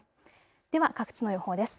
では各地の予報です。